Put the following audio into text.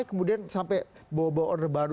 kemudian sampai bawa bawa order baru